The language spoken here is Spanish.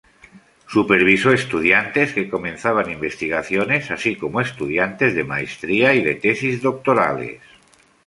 Supervisó estudiantes que comenzaban investigaciones, así como estudiantes de maestría y de tesis doctorales.